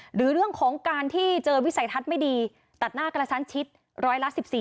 หรือเรื่องของการที่เจอวิสัยทัศน์ไม่ดีตัดหน้ากระชั้นชิดร้อยละ๑๔